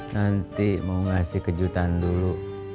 nanti mau ngasih kejutan dulu